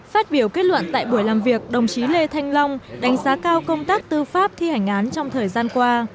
phát biểu kết luận tại buổi làm việc đồng chí lê thanh long đánh giá cao công tác tư pháp thi hành án trong thời gian qua